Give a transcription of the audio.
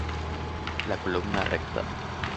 La columna recta.